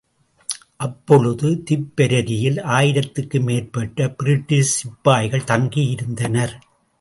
அப்பொழுது திப்பெரரியில் ஆயிரத்திற்கு மேற்பட்ட பிரிட்டிஷ் சிப்பாய்கள் தங்கியிருந்தனர்.